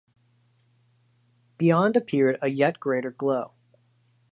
Beyond appeared a yet greater glow.